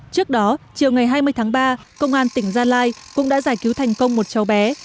trước đó chiều ngày hai mươi tháng ba công an tỉnh gia lai cũng đã giải cứu thành công một cháu bé